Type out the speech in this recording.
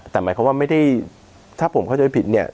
แต่หมายความว่าไม่ได้ถ้าผมเข้าใจผิดเนี่ย